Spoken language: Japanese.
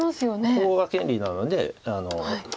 ここが権利なので。